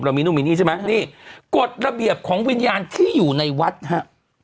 มีนู่นมีนี่ใช่ไหมนี่กฎระเบียบของวิญญาณที่อยู่ในวัดฮะ